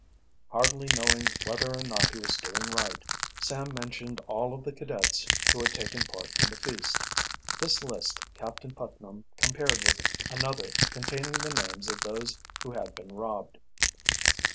Hardly knowing whether or not he was doing right, Sam mentioned all of the cadets who had taken part in the feast. This list Captain Putnam compared with another containing the names of those who had been robbed.